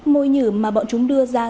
môi nhử mà bọn chúng đưa ra